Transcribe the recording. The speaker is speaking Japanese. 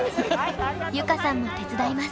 結香さんも手伝います。